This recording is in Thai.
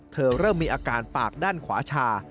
เริ่มมีอาการปากด้านขวาชา